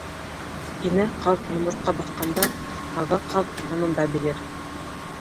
Инә ҡаҙ йомортҡа баҫҡанда, ага ҡаҙ янында бейер.